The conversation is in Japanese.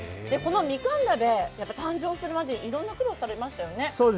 このみかん鍋、誕生するまでいろんな苦労されましたよね？